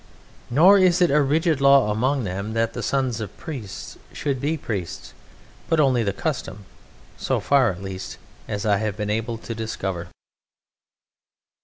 Nor is it a rigid law among them that the sons of priests should be priests, but only the custom so far, at least, as I have been able to discover.